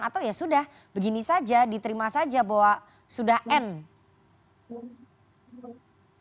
atau ya sudah begini saja diterima saja bahwa sudah end